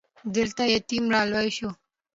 دلته يتيم را لوی شو.